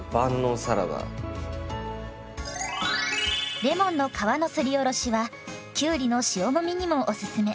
レモンの皮のすりおろしはきゅうりの塩もみにもおすすめ。